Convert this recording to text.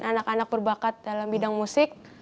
anak anak berbakat dalam bidang musik